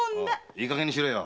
いいかげんにしろよ！